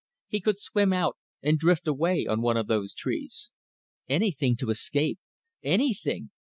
He could swim out and drift away on one of these trees. Anything to escape! Anything!